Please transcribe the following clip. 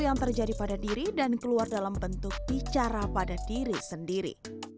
yang terjadi pada diri dan keluar dalam bentuk bicara pada diri sendiri